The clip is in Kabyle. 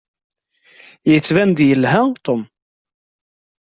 Yettban-d yelha Tom.